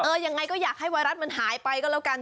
ยังไงก็อยากให้ไวรัสมันหายไปก็แล้วกัน